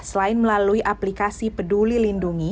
selain melalui aplikasi peduli lindungi